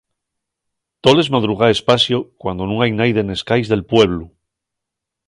Toles madrugaes pasio cuando nun hai naide nes cais del pueblu.